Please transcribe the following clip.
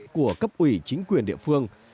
của cấp ủy chính quyền địa phương